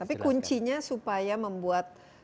tapi kuncinya supaya membuat